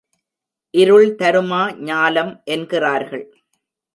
இருள் தருமா ஞாலம் என்கிறார்கள்.